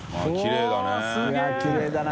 いやきれいだな。